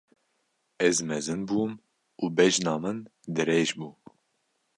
Ez mezin bûm û bejna min dirêj bû.